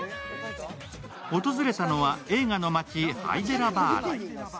訪れたのは映画の街ハイデラバード。